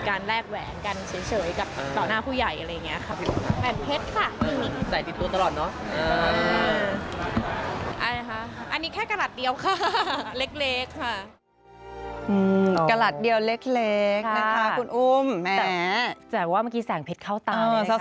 แต่ว่าเมื่อกี้แสงเพชรเข้าตาเลย